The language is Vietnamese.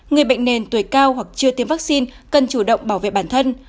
người bệnh nền tuổi cao hoặc chưa tiêm vaccine cần chủ động bảo vệ bản thân